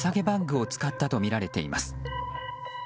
バッグを使ったとみられています。